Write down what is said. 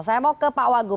saya mau ke pak wagub